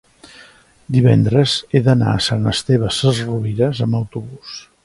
divendres he d'anar a Sant Esteve Sesrovires amb autobús.